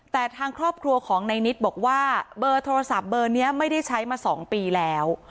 แต่ทางครอบครัวของในนิดบอกว่าเบอร์โทรศัพท์เบอร์นี้ไม่ได้ใช้มา๒ปีแล้ว